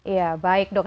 ya baik dok